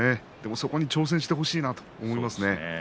そこに挑戦してほしいなと思います。